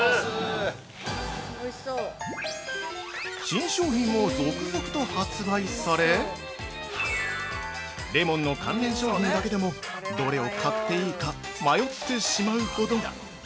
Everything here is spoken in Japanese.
◆新商品も続々と発売されレモンの関連商品だけでもどれを買っていいか迷ってしまうほど。